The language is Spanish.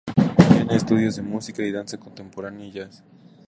Tiene estudios de música y danza contemporánea y jazz.